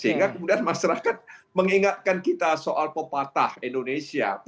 karena kemudian masyarakat mengingatkan kita soal popatah indonesia